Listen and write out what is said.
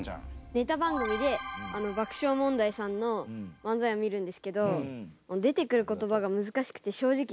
ネタ番組で爆笑問題さんの漫才を見るんですけど出てくる言葉が難しくて正直よく分かりません。